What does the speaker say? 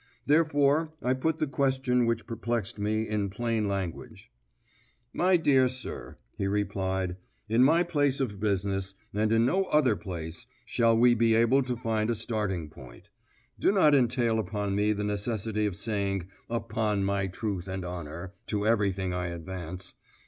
Therefore I put the questions which perplexed me in plain language. "My dear sir," he replied, "in my place of business, and in no other place, shall we be able to find a starting point. Do not entail upon me the necessity of saying 'upon my truth and honour' to everything I advance.